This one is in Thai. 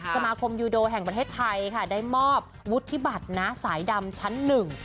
สมาคมยูโดแห่งประเทศไทยค่ะได้มอบวุฒิบัตรนะสายดำชั้นหนึ่ง